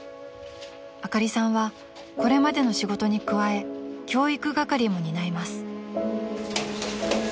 ［あかりさんはこれまでの仕事に加え教育係も担います］